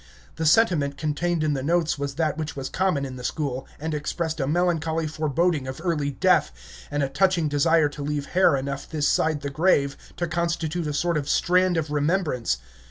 The sentiment contained in the notes was that which was common in the school, and expressed a melancholy foreboding of early death, and a touching desire to leave hair enough this side the grave to constitute a sort of strand of remembrance.